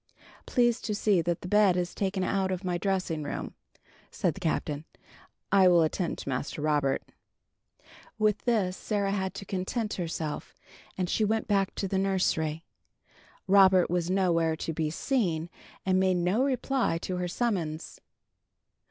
"Please to see that the bed is taken out of my dressing room," said the Captain. "I will attend to Master Robert." With this Sarah had to content herself, and she went back to the nursery. Robert was nowhere to be seen, and made no reply to her summons.